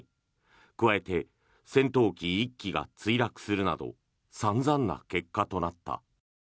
加えて戦闘機１機が墜落するなど散々な結果となった。